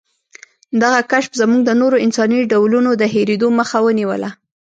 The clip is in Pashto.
دغه کشف زموږ د نورو انساني ډولونو د هېرېدو مخه ونیوله.